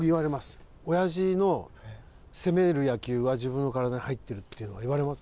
おやじの攻める野球は自分の体に入ってるっていうのは言われますもん。